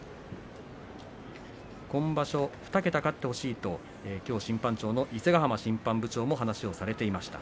今場所２桁勝ってほしいときょう審判長の伊勢ヶ濱審判部長もお話をされていました。